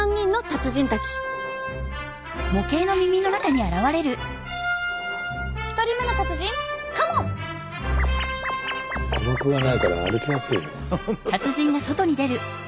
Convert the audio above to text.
鼓膜がないから歩きやすいね。